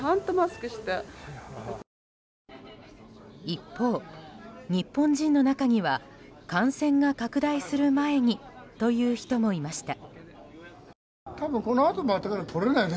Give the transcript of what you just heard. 一方、日本人の中には感染が拡大する前にという人もいました。